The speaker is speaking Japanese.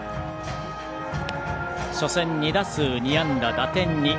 初戦、２打数２安打、打点２。